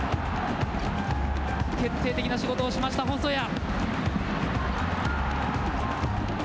決定的な仕事をしました細谷。